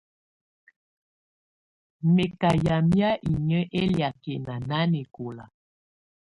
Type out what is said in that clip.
Mɛ̀ kà yamɛ̀́á inyǝ́ ɛliakɛna nanɛkɔ̀la.